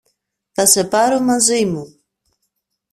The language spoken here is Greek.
Θα σε πάρω μαζί μου.